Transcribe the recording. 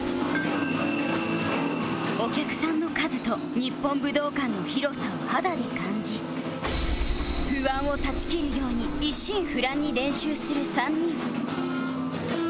お客さんの数と日本武道館の広さを肌に感じ不安を断ち切るように一心不乱に練習する３人